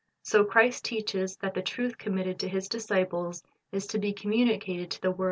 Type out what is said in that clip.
So Christ teaches that the truth committed to His disciples is to be communicated to the world.